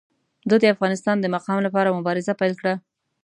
ده د افغانستان د مقام لپاره مبارزه پیل کړه.